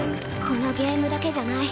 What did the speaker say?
このゲームだけじゃない。